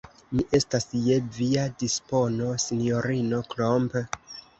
Mi estas je via dispono, sinjorino Klomp.